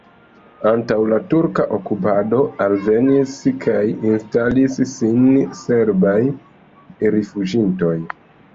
Antaŭ la turka okupado alvenis kaj instalis sin serbaj rifuĝintoj.